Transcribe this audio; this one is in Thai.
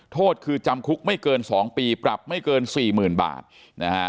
โทษคือจำคุกไม่เกิน๒ปีปรับไม่เกินสี่หมื่นบาทนะฮะ